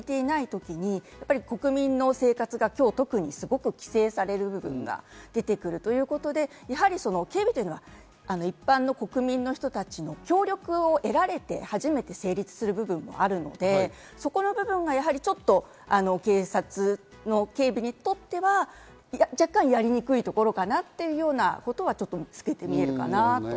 その中でみんなが同じ方向を向いていないときに国民の生活が今日特にすごく規制される部分が出てくるということで、警備というのは一般の国民の人たちの協力を得られて初めて成立する部分もあるので、そこの部分がちょっと警察の警備にとっては若干やりにくいところかなというようなことは透けて見えます。